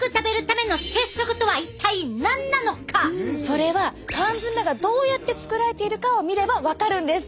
それは缶詰がどうやって作られているかを見ればわかるんです。